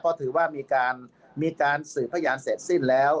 เพราะถือว่ามีการสืบพยานเสร็จสิ้นแล้ว